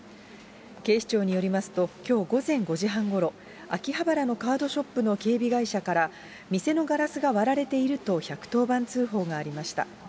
警視庁によりますと、きょう午前５時半ごろ、秋葉原のカードショップの警備会社から、店のガラスが割られていると１１０番通報がありました。